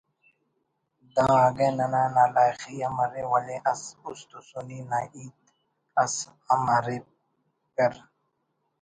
دا اگہ ننا نالائخی ہم ارے ولے است ہسونی نا ہیت اس ہم ارے پر